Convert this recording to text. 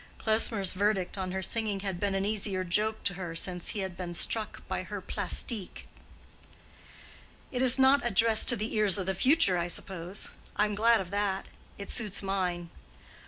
Klesmer's verdict on her singing had been an easier joke to her since he had been struck by her plastik. "It is not addressed to the ears of the future, I suppose. I'm glad of that: it suits mine."